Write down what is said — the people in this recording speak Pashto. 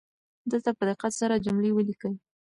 دلته په دقت سره جملې ولیکئ.